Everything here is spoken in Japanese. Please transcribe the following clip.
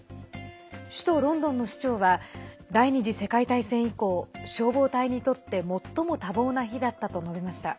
首都ロンドンの市長は第２次世界大戦以降消防隊にとって最も多忙な日だったと述べました。